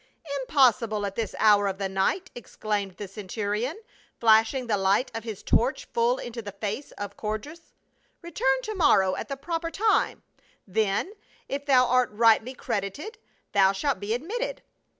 " Impossible, at this hour of the night," exclaimed the centurion, flashing the light of his torch full into the face of Codrus. " Return to morrow at the proper time ; then, if thou art rightly credited, thou shalt be admitted."